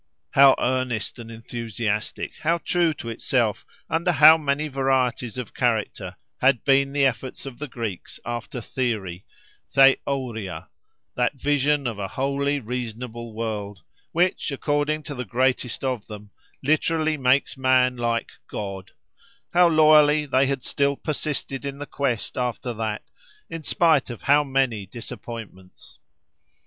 How earnest and enthusiastic, how true to itself, under how many varieties of character, had been the effort of the Greeks after Theory—Theôria—that vision of a wholly reasonable world, which, according to the greatest of them, literally makes man like God: how loyally they had still persisted in the quest after that, in spite of how many disappointments!